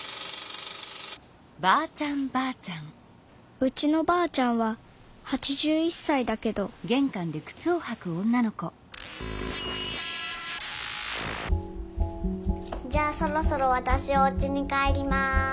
うちのばあちゃんは８１さいだけどじゃあそろそろわたしおうちに帰ります。